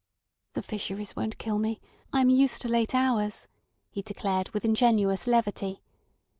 "The Fisheries won't kill me. I am used to late hours," he declared, with ingenuous levity.